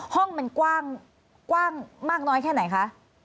ห้องมันกว้างมากน้อยแค่ไหนคะ